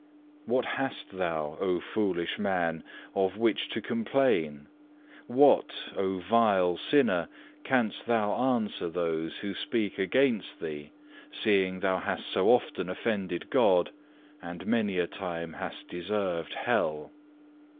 What hast thou, O foolish man, of which to complain? What, O vile sinner, canst thou answer those who speak against thee, seeing thou hast so often offended God, and many a time hast deserved hell?